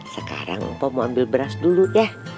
sekarang mpo mau ambil beras dulu ya